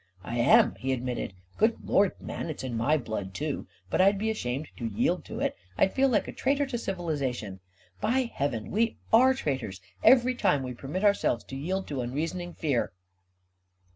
" I am," he admitted. " Good Lord, man, it's in my blood too ! But I'd be ashamed to yield to it. I'd feel like a traitor to civilization! By heaven, we are traitors, every time we permit ourselves to A KING IN BABYLON W $ yield to unreasoning fear